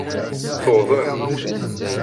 Tuḍen.